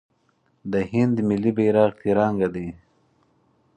د هند ملي بیرغ تیرانګه دی.